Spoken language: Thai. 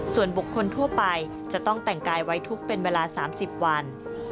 ส่วนบุคคลทั่วไปจะต้องแต่งกายไว้ทุกข์เป็นเวลา๓๐วัน